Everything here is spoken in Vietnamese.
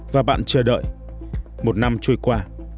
và bạn chờ đợi một năm trôi qua